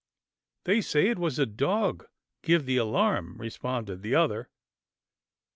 " They say it was a dog give the alarm," re sponded the other.